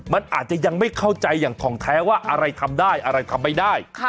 มันอาจจะยังไม่เข้าใจอย่างถ่องแท้ว่าอะไรทำได้อะไรทำไม่ได้